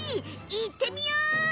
いってみよう！